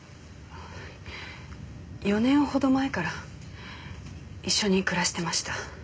４年ほど前から一緒に暮らしてました。